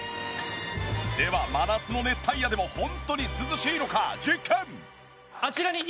では真夏の熱帯夜でもホントに涼しいのか実験！